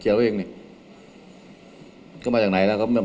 คุณก็รู้คุณก็รู้ว่ามาจากอะไรคุณก็เขียนไว้เอง